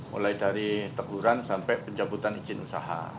mulai dari teguran sampai pencabutan izin usaha